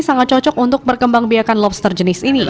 sangat cocok untuk berkembang biakan lobster jenis ini